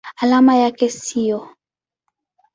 Alama yake ni SiO.